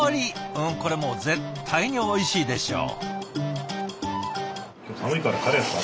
うんこれもう絶対においしいでしょう。